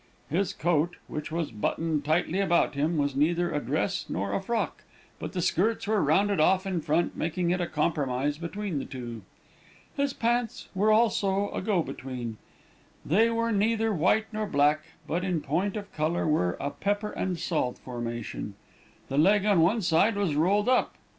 His coat, which was buttoned tightly about him, was neither a dress nor a frock, but the skirts were rounded off in front, making it a compromise between the two. His pants were also a go between; they were neither white nor black, but in point of color, were a pepper and salt formation. The leg on one side was rolled up.